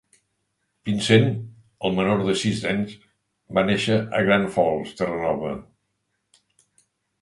Pinsent, el menor de sis nens, va néixer a Grand Falls, Terranova.